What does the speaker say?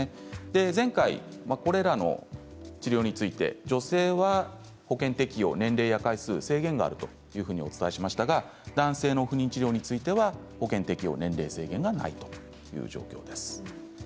前回これらの治療について女性は保険適用、年齢や回数制限があるとお伝えしましたが男性の不妊治療については保険適用、年齢制限がないという状況です。